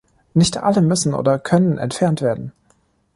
Nicht alle müssen oder können entfernt werden.